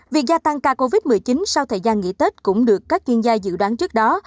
việc gia tăng ca covid một mươi chín sau thời gian nghỉ tết cũng được các chuyên gia dự đoán trước đó